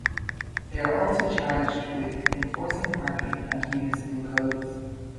They are also charged with enforcing parking and municipal codes.